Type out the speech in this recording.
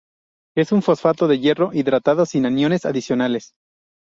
Es un fosfato de hierro hidratado, sin aniones adicionales.